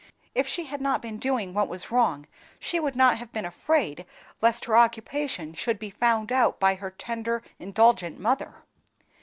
If she had not been doing what was wrong, she would not have been afraid lest her occupation should be found out by her tender, indulgent mother.